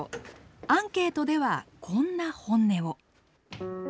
アンケートではこんな本音を。